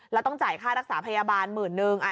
แล้วต้องจ่ายค่ารักษาพยาบาลหมื่นนึง